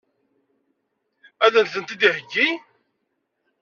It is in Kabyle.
Ad m-tent-id-iheggi?